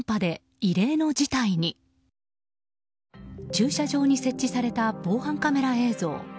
駐車場に設置された防犯カメラ映像。